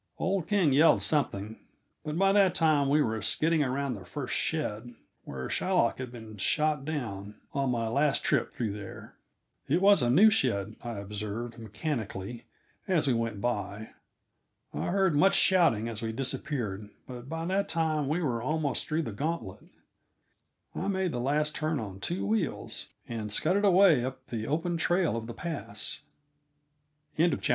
Old King yelled something, but by that time we were skidding around the first shed, where Shylock had been shot down on my last trip through there. It was a new shed, I observed mechanically as we went by. I heard much shouting as we disappeared, but by that time we were almost through the gantlet. I made the last turn on two wheels, and scudded away up the open trail of the pass. CHAPTER XVI. One More Race.